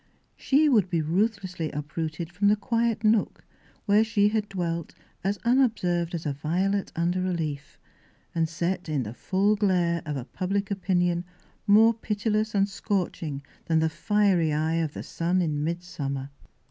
She would be ruthlessly uprooted from the quiet nook where she had dwelt as unobserved as a violet under a leaf, and set in the full glare of a public opinion more pitiless and scorching than the fiery eye of the sun in mid summer.